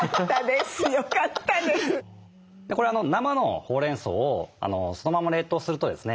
これ生のほうれんそうをそのまま冷凍するとですね